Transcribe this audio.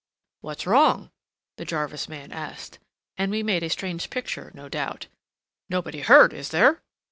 "What's wrong?" the Jarvis man asked—and we made a strange picture, no doubt. "Nobody hurt, is there?"